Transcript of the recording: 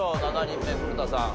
７人目古田さん